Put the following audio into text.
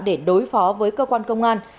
để đối phó với cơ quan công an